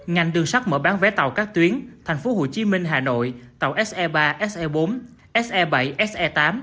ngành đường sát mở bán vé tàu các tuyến thành phố hồ chí minh hà nội tàu se ba se bốn se bảy se tám